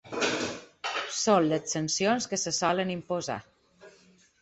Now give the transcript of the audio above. Són les sancions que se solen imposar.